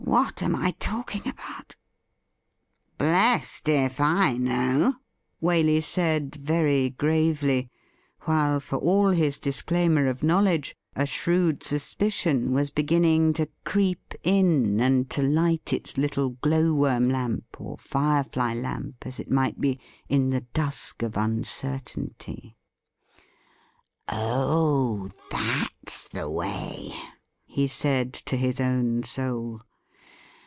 what am I talking about i" ' Blest if I know,' Waley said very gravely ; while, for' all his disclaimer of knowledge, a shrewd suspicion wa& beginning to creep in and to light its little glow worm, lamp, or firefly lamp, as it might be, in the dusk of un certainty. ' Oh, that's the way,' he said to his own soul.